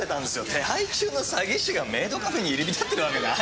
手配中の詐欺師がメードカフェに入り浸ってるわけないでしょう。